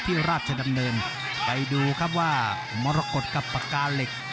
ราชดำเนินไปดูครับว่ามรกฏกับปากกาเหล็ก